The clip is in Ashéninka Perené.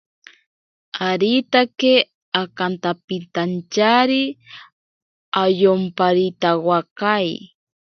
Aritake akantapintyari ayomparitawakai.